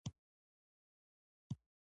هېواد د ښکلا ګلشن دی.